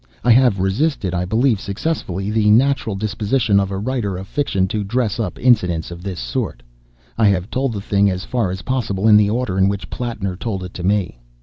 I have resisted, I believe successfully, the natural disposition of a writer of fiction to dress up incidents of this sort. I have told the thing as far as possible in the order in which Plattner told it to me.